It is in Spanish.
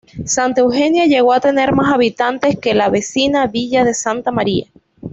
Santa Eugenia llegó a tener más habitantes que la vecina villa de Santa María.